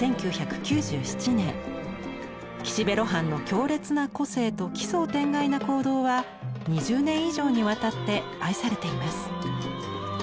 岸辺露伴の強烈な個性と奇想天外な行動は２０年以上にわたって愛されています。